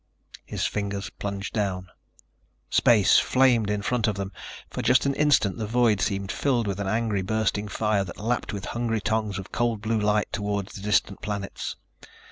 His fingers plunged down. Space flamed in front of them. For just an instant the void seemed filled with an angry, bursting fire that lapped with hungry tongues of cold, blue light toward the distant planets.